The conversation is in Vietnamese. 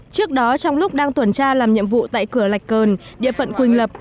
trước đó trong lúc đang tuần tra làm nhiệm vụ tại cửa lạch cờn địa phận quỳnh lập